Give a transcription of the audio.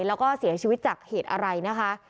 แล้วก็เสียชีวิตจากเหตุอะไรนะคะ